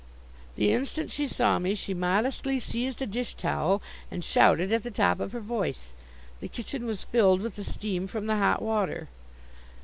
The instant she saw me she modestly seized a dish towel and shouted at the top of her voice. The kitchen was filled with the steam from the hot water.